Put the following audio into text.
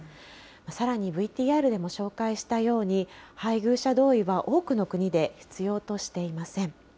さらにＶＴＲでも紹介したように、配偶者同意は多くの国で必要としていません。